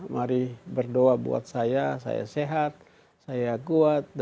mari berdoa buat saya saya sehat saya kuat